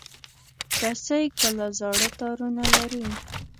رسۍ کله زاړه تارونه لري.